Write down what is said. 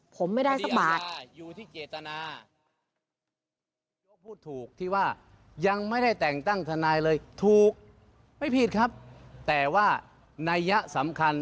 ผมไม่ได้สักบาท